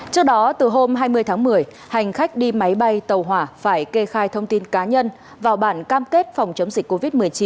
trước đó từ hôm hai mươi tháng một mươi hành khách đi máy bay tàu hỏa phải kê khai thông tin cá nhân vào bản cam kết phòng chống dịch covid một mươi chín